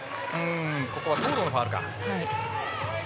ここは東藤のファウルか。